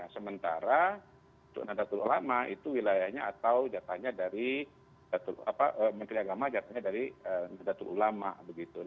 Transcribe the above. sementara itu datul ulama itu wilayahnya atau datanya dari datul apa menteri agama datanya dari datul ulama begitu